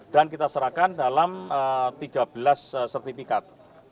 dan kita serahkan dalam tiga belas sertifikat